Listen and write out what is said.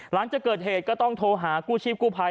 หลังจากเกิดเหตุก็ต้องโทรหากู้ชีพกู้ภัย